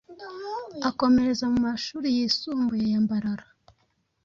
akomereza mu mashuri yisumbuye ya Mbarara